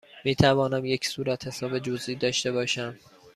می توانم یک صورتحساب جزئی داشته باشم؟